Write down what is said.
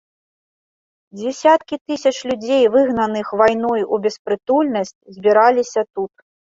Дзесяткі тысяч людзей, выгнаных вайной у беспрытульнасць, збіраліся тут.